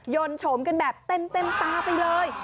นนโฉมกันแบบเต็มตาไปเลย